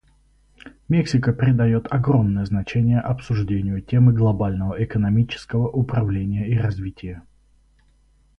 Мексика придает огромное значение обсуждению темы глобального экономического управления и развития.